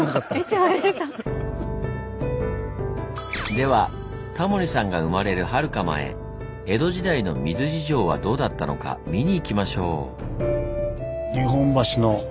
ではタモリさんが生まれるはるか前江戸時代の水事情はどうだったのか見に行きましょう。